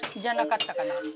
じゃなかったかな。